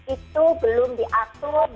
itu belum diatur